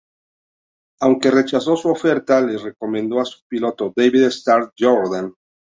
Aunque rechazó su oferta, les recomendó a su pupilo David Starr Jordan.